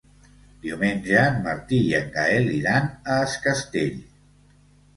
Diumenge en Martí i en Gaël iran a Es Castell.